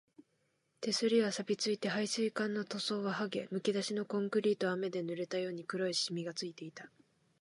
手すりは錆ついて、配水管の塗装ははげ、むき出しのコンクリートは雨で濡れたように黒いしみがついていた